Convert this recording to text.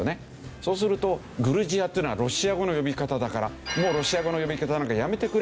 そうするとグルジアっていうのはロシア語の呼び方だからもうロシア語の呼び方なんかやめてくれ。